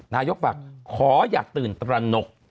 นายกฝากขออย่าตื่นตระหนก